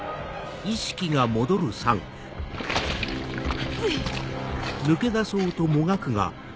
熱い！